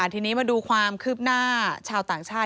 ทีนี้มาดูความคืบหน้าชาวต่างชาติ